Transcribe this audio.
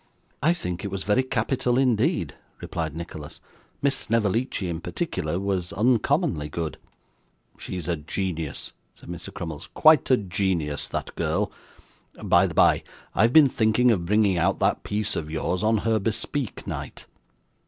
'I think it was very capital indeed,' replied Nicholas; 'Miss Snevellicci in particular was uncommonly good.' 'She's a genius,' said Mr. Crummles; 'quite a genius, that girl. By the bye, I've been thinking of bringing out that piece of yours on her bespeak night.